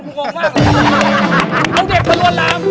เราเด็กเค้ารวดล้ำ